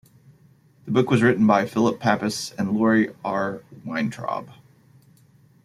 The book was written by Phillip Papas and Lori R. Weintrob.